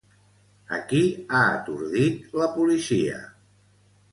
A qui ha atordit la policia?